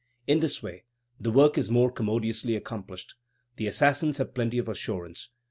In this way the work is more commodiously accomplished. The assassins have plenty of assurance.